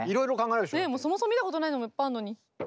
そもそも見たことないのもいっぱいあるのに。